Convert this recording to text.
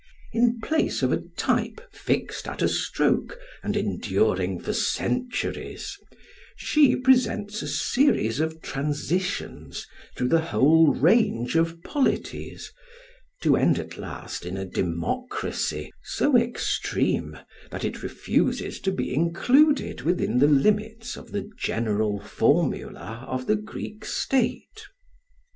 In place of a type fixed at a stroke and enduring for centuries, she presents a series of transitions through the whole range of polities, to end at last in a democracy so extreme that it refuses to be included within the limits of the general formula of the Greek state.